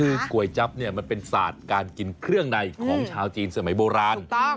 คือก๋วยจั๊บเนี่ยมันเป็นศาสตร์การกินเครื่องในของชาวจีนสมัยโบราณ